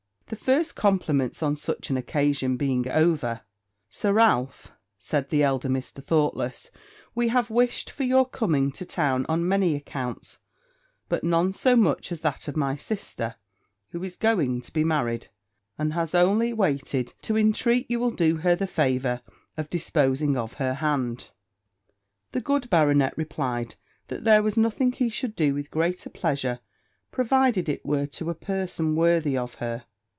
The first compliments on such an occasion being over 'Sir Ralph,' said the elder Mr. Thoughtless, 'we have wished for your coming to town on many accounts; but none so much as that of my sister, who is going to be married, and has only waited to intreat you will do her the favour of disposing of her hand.' The good baronet replied, that there was nothing he should do with greater pleasure, provided it were to a person worthy of her.